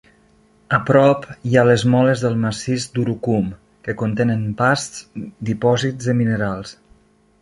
A prop, hi ha les moles del massís d'Urucum, que contenen vasts dipòsits de minerals.